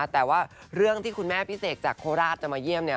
แต่ว่าเรื่องที่คุณแม่พิเศษจากโคราชจะมาเยี่ยมเนี่ย